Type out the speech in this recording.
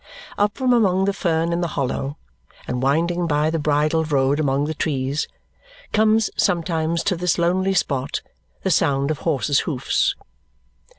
Up from among the fern in the hollow, and winding by the bridle road among the trees, comes sometimes to this lonely spot the sound of horses' hoofs.